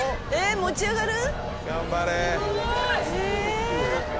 持ち上がる？